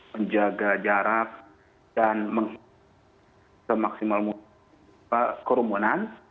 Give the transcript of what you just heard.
menjaga jarak dan menghentikan semaksimal kerumunan